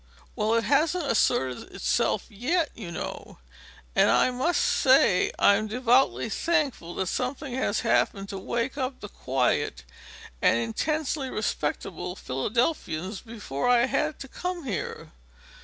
"Well, it hasn't asserted itself yet, you know; and I must say I'm devoutly thankful that something has happened to wake up the quiet and intensely respectable Philadelphians before I had to come here.